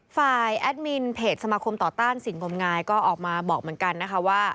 แอดมินเพจสมาคมต่อต้านสิ่งงมงายก็ออกมาบอกเหมือนกันนะคะว่า